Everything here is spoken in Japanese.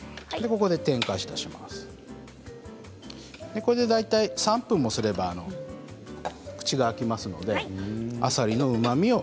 ここで点火して大体３分もたてば、口が開きますので、あさりのうまみが。